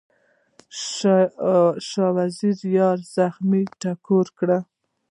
شاه وزیره یاره، زخم مې ټکور کړه